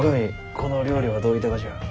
この料理はどういたがじゃ？